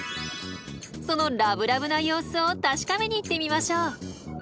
そのラブラブな様子を確かめに行ってみましょう。